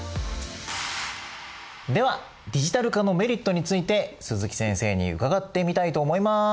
ではディジタル化のメリットについて鈴木先生に伺ってみたいと思います。